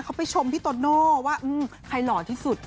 เขาไปชมพี่โตโน่ว่าใครหล่อที่สุด